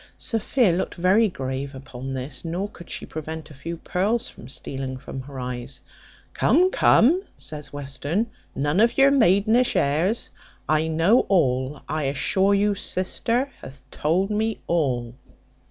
Sophia looked very grave upon this, nor could she prevent a few pearls from stealing into her eyes. "Come, come," says Western, "none of your maidenish airs; I know all; I assure you sister hath told me all."